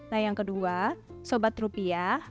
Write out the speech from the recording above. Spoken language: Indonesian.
nah yang kedua sobat rupiah